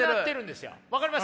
分かります？